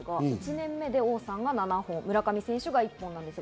１年目で王さん７本、村上選手１本です。